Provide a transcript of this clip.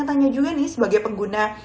tanya juga nih sebagai pengguna